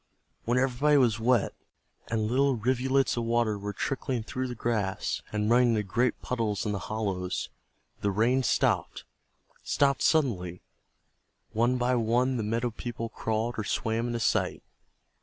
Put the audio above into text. When everybody was wet, and little rivulets of water were trickling through the grass and running into great puddles in the hollows, the rain stopped, stopped suddenly. One by one the meadow people crawled or swam into sight.